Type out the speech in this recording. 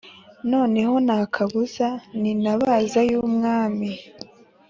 noneho ntakabuza nintabaza y’umwami